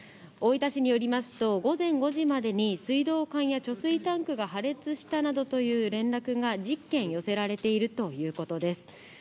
大分市によりますと、午前５時までに水道管や貯水タンクが破裂したなどという連絡が１０件寄せられているということです。